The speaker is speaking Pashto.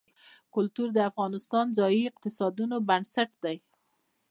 کلتور د افغانستان د ځایي اقتصادونو بنسټ دی.